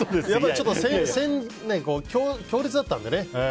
ちょっと強烈だったんでね。